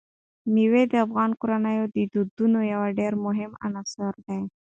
مېوې د افغان کورنیو د دودونو یو ډېر مهم عنصر دی.